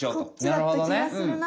なるほどね！